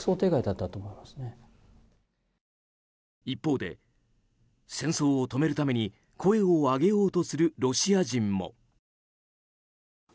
一方で戦争を止めるために声を上げようとするロシア人も。